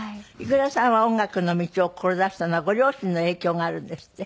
ｉｋｕｒａさんは音楽の道を志したのはご両親の影響があるんですって？